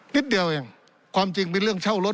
นิดเดียวเองความจริงเป็นเรื่องเช่ารถ